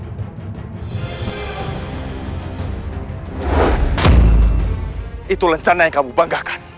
tapi pengayaan itu ratios begitu pulang